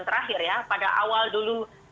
terakhir ya pada awal dulu